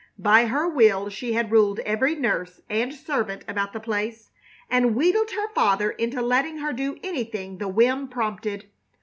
By her will she had ruled every nurse and servant about the place, and wheedled her father into letting her do anything the whim prompted.